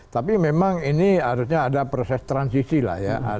tapi memang ini harusnya ada proses transisi lah ya